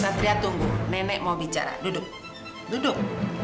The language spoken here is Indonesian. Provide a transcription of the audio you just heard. satria tunggu nenek mau bicara duduk duduk